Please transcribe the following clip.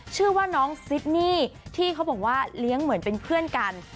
ชื่อว่าน้องซิดนี่ที่เขาบอกว่าเลี้ยงเหมือนเป็นเพื่อนกัน